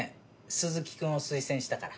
鈴木君を推薦したから。